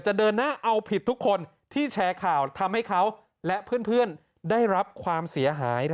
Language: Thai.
เดินหน้าเอาผิดทุกคนที่แชร์ข่าวทำให้เขาและเพื่อนได้รับความเสียหาย